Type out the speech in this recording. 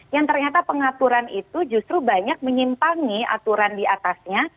yang ternyata pengaturan itu justru banyak menyimpangi aturan diatasnya